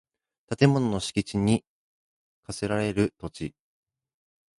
建物の敷地に供せられる土地